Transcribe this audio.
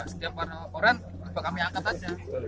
setiap warna oranye kita angkat saja